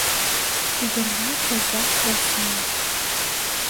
Ӱдырна таза да сае!